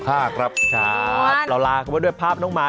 ครับเราลาเข้าไปด้วยภาพน้องหมา